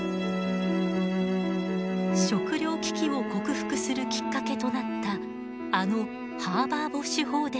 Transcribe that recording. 食糧危機を克服するきっかけとなったあのハーバー・ボッシュ法でも。